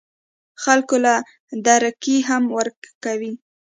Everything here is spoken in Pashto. خلکو له دړکې هم ورکوي